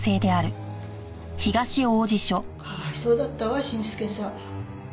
かわいそうだったわ伸介さん。